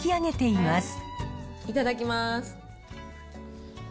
いただきます。